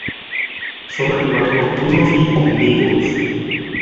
Son animales nocturnos y omnívoros.